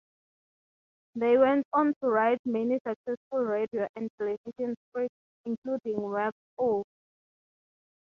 They went on to write many successful radio and television scripts, including Whack-O!